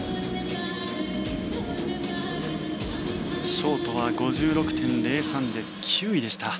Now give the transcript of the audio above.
ショートは５６．０３で９位でした。